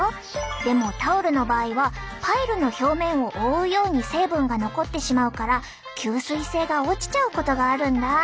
でもタオルの場合はパイルの表面を覆うように成分が残ってしまうから吸水性が落ちちゃうことがあるんだ。